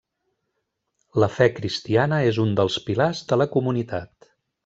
La fe cristiana és un dels pilars de la comunitat.